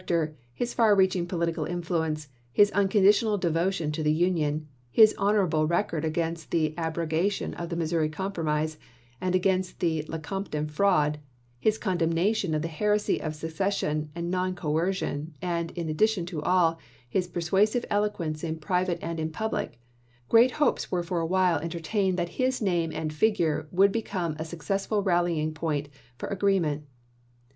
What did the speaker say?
acter, his far reaching political influence, his un conditional devotion to the Union, his honorable record against the abrogation of the Missouri Com promise, and against the Lecompton fraud, his condemnation of the heresy of secession and non coercion, and, in addition to all, his persuasive elo quence in private and in public, great hopes were for a while entertained that his name and figure would become a successful rallying point for agree ment.